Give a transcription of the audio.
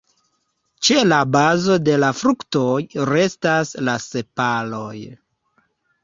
Ĉe la bazo de la fruktoj restas la sepaloj.